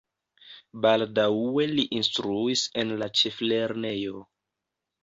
Baldaŭe li instruis en la ĉeflernejo.